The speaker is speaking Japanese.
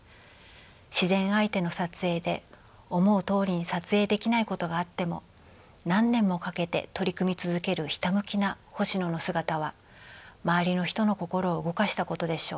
自然相手の撮影で思うとおりに撮影できないことがあっても何年もかけて取り組み続けるひたむきな星野の姿は周りの人の心を動かしたことでしょう。